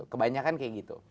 kebanyakan kayak gitu